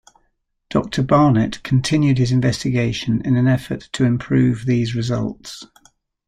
Doctor Barnett continued his investigation in an effort to improve these results.